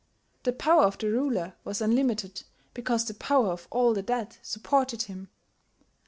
The power of the ruler was unlimited because the power of all the dead supported him.